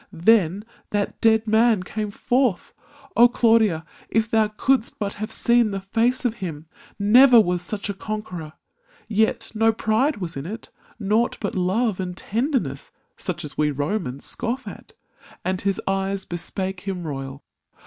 Then that dead man came forth ! Oh, Claudia, If thou coulds't but have seen the face of him! Never was such a conqueror! Yet no pride Was in it— nought but love and tenderness, Such as we Romans scoff at; and his eyes Bespake him royal.